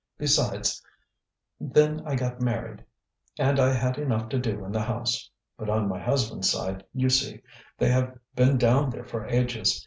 Besides, then I got married, and I had enough to do in the house. But on my husband's side, you see, they have been down there for ages.